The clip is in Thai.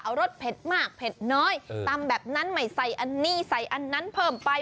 เอารสเผ็ดมากเผ็ดน้อยตำแบบนั้นไม่ใส่อันนี้ใส่อันนั้นเพิ่มไป